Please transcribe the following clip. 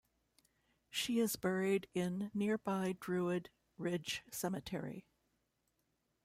She is buried in nearby Druid Ridge Cemetery.